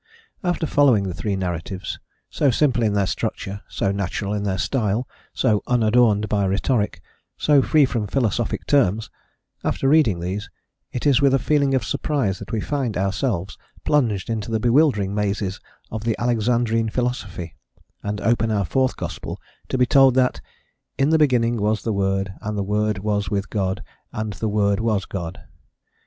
After following the three narratives, so simple in their structure, so natural in their style, so unadorned by rhetoric, so free from philosophic terms, after reading these, it is with a feeling of surprise that we find ourselves, plunged into the bewildering mazes of the Alexandrine philosophy, and open our fourth gospel to be told that, "In the beginning was the word, and the word was with God, and the word was God."